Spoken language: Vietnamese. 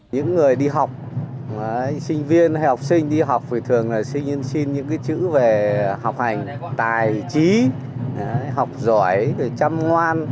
những người đi học sinh viên hay học sinh đi học thì thường xin những chữ về học hành tài trí học giỏi chăm ngoan